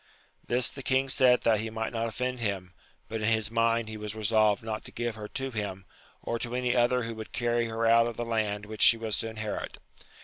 This the king said that he might not offend him, but in his mind he was resolved not to give her to him, or to any other who would carry her out of the land which she was to inherit.